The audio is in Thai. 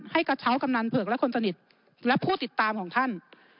กระเช้ากำนันเผือกและคนสนิทและผู้ติดตามของท่าน